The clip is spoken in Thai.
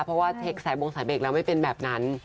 เพราะว่าเช็คสายวงสายเบรกแล้วไม่เป็นแบบนั้น